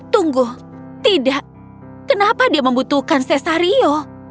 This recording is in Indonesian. tunggu tidak kenapa dia membutuhkan cesario